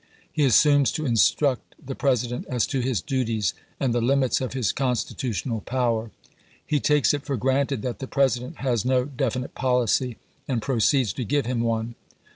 He assumes to instruct the President as to his duties and the limits of his constitutional power. He takes it for granted that the President has no definite policy, and proceeds to give him one.